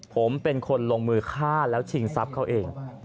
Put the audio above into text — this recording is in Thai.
ผมเป็นคนลงมือฆ่าแล้วชิงทรัพย์เขาเอง